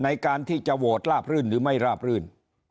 ในการที่จะโหวตลาบรื่นหรือไม่ราบรื่น